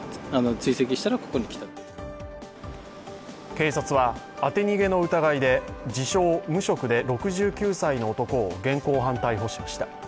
警察は当て逃げの疑いで自称・無職で６９歳の男を現行犯逮捕しました。